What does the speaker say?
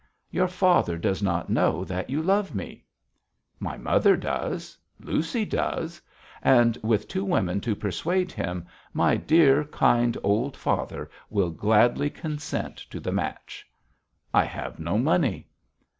'Your father does not know that you love me.' 'My mother does; Lucy does; and with two women to persuade him, my dear, kind old father will gladly consent to the match.' 'I have no money.'